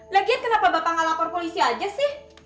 lagian kenapa bapak tidak lapor polisi saja sih